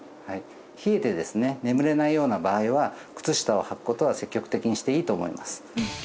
冷えてですね眠れないような場合は靴下をはくことは積極的にしていいと思います